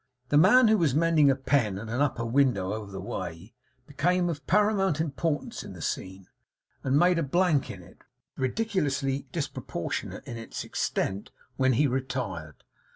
The man who was mending a pen at an upper window over the way, became of paramount importance in the scene, and made a blank in it, ridiculously disproportionate in its extent, when he retired.